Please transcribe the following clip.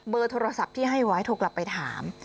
เบอร์โทรศัพท์ที่ให้ไว้ทกลับไปถาม